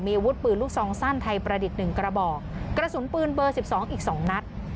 เมียวุฒิปืนลูกสองสั้นไทยประดิษฐ์หนึ่งกระบอกกระสุนปืนเบอร์สิบสองอีกสองนัด